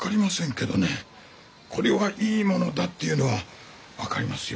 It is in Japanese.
これはいいものだっていうのは分かりますよ。